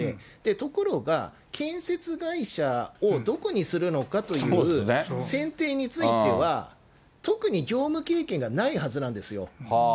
ところが、建設会社をどこにするのかという選定については、特に業務経験がないはずなんですよ。